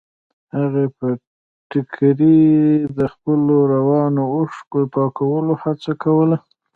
هغې په ټيکري د خپلو روانو اوښکو د پاکولو هڅه کوله.